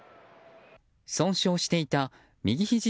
損傷していた右ひじ